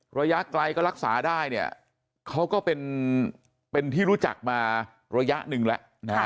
ระยะไกลก็รักษาได้เนี่ยเขาก็เป็นที่รู้จักมาระยะหนึ่งแล้วนะฮะ